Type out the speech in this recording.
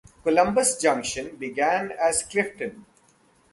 Columbus Junction began as Clifton.